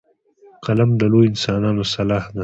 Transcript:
قلم د لویو انسانانو سلاح ده